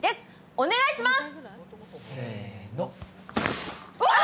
お願いします。